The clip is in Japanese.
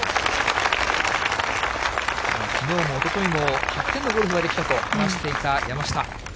きのうもおとといも、１００点のゴルフができたと話していた山下。